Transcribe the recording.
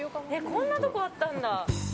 こんなとこあったんだ。